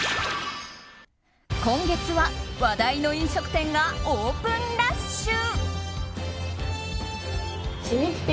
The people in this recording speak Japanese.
今月は話題の飲食店がオープンラッシュ！